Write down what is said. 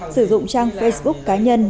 sử dụng trang facebook cá nhân